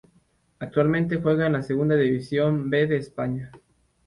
Actualmente juega en la Segunda División B de España.